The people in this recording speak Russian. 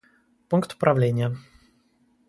Пункт управления